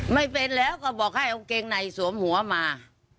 ไม่เป็นแล้วก็บอกให้เอาเกงในสวมหัวมา